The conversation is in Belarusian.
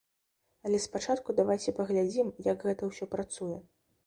Але спачатку давайце паглядзім, як гэта ўсё працуе.